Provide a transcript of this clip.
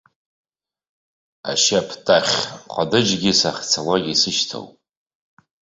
Ашьаптахь ҟадыџьгьы сахьцалак исышьҭоуп!